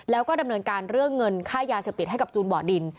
แล้วก็ดำเนินการเรื่องเงินค่ายาเสพติดให้กับจูนบ่อดิน